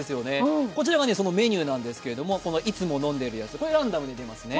こちらがそのメニューなんですけどいつも飲んでるやつ、これはランダムに出ますね。